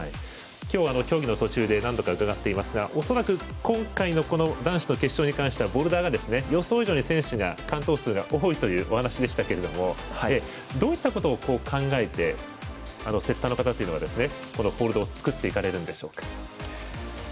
今日、競技の途中で何度か伺っていますが恐らく今回の男子の決勝に関してはボルダーが予想以上に選手の完登数が多いというお話でしたけれどもどういったことを考えてセッターの方というのはホールドを作っていかれるんでしょうか？